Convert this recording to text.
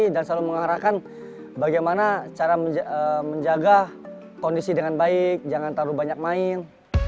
dan selalu mengarahkan bagaimana cara menjaga kondisi dengan baik jangan terlalu banyak main